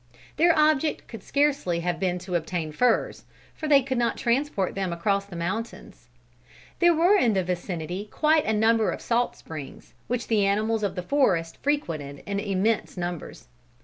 Their object could scarcely have been to obtain furs, for they could not transport them across the mountains. There were in the vicinity quite a number of salt springs which the animals of the forest frequented in immense numbers.